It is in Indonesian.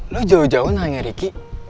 lo jauh jauh nanya ricky